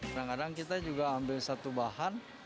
kadang kadang kita juga ambil satu bahan